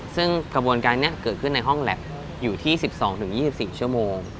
ซึ่งกระบวนการนี้เกิดขึ้นในห้องแล็บอยู่ที่๑๒๒๔ชั่วโมง